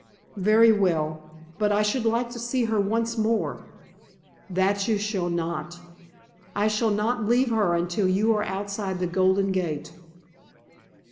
"Very well. But I should like to see her once more." "That you shall not! I shall not leave her until you are outside the Golden Gate."